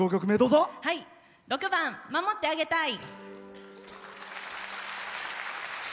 ６番「守ってあげたい」。